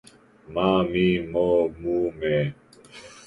маа мии моо муу мееее